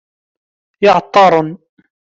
Iεeṭṭaren.